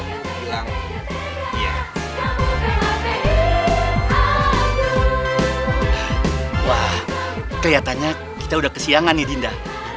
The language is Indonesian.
lu tuh norak tau ngga sih